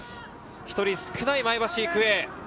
１人少ない前橋育英。